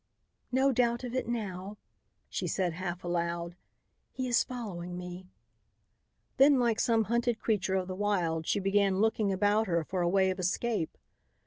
"No doubt of it now," she said half aloud. "He is following me." Then, like some hunted creature of the wild, she began looking about her for a way of escape.